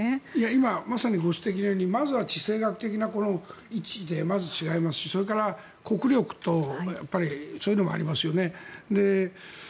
今、まさにご指摘のようにまずは地政学的な位置でまず違いますしそれから国力とかそういうのもありますよね。